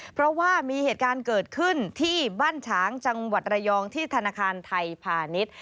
เพราะว่ามีเหตุการณ์เกิดขึ้นที่บ้านฉางจังหวัดระยองที่ธนาคารไทยพาณิชย์